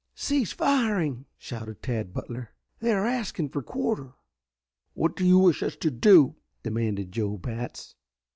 "Cease firing!" shouted Tad Butler. "They are asking for quarter." "What do you wish us to do?" demanded Joe Batts.